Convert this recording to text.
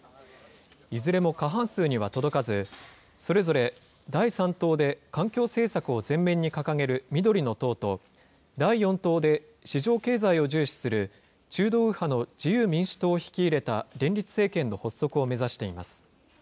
いずれも過半数には届かず、それぞれ第３党で環境政策を前面に掲げる緑の党と、第４党で市場経済を重視する中道右派の自由民主党を引き入れた連立政権の発足を目指しています。